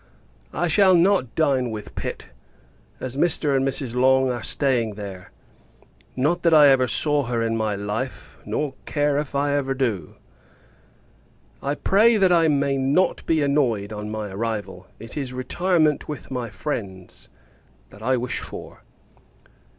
I shall not dine with Pitt, as Mr. and Mrs. Long are staying there. Not that I ever saw her in my life, nor care if I never do. I pray that I may not be annoyed, on my arrival: it is retirement with my friends, that I wish for.